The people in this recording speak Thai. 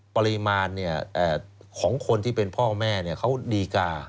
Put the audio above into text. ปริมาณเนี่ยของคนที่เป็นพ่อแม่เนี่ยเขาดีกา